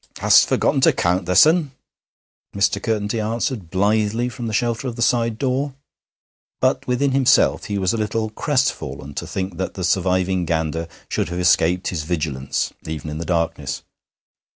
'Hast forgotten to count thysen?' Mr. Curtenty answered blithely from the shelter of the side door. But within himself he was a little crest fallen to think that the surviving gander should have escaped his vigilance, even in the darkness.